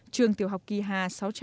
trường tiểu học kỳ hà